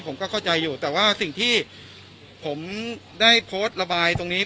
ผมก็เข้าใจอยู่แต่ว่าสิ่งที่ผมได้โพสต์ระบายตรงนี้